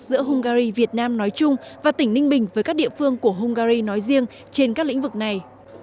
giữa hungary việt nam nói chung và tỉnh ninh bình với các địa phương của hungary nói riêng trên các lĩnh vực này